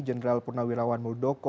jenderal purnawirawan muldoko